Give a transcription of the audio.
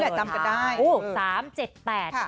ต้องมาเบอร์นี้แหละจำกันได้